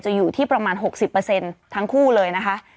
อยู่ที่ประมาณ๖๐ทั้งคู่เลยนะคะ